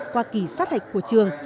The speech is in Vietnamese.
qua kỳ sát hạch của trường